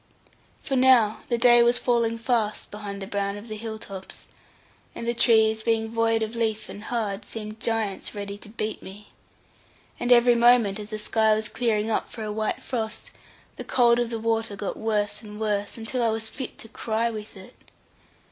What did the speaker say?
For now the day was falling fast behind the brown of the hill tops, and the trees, being void of leaf and hard, seemed giants ready to beat me. And every moment as the sky was clearing up for a white frost, the cold of the water got worse and worse, until I was fit to cry with it.